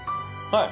はい。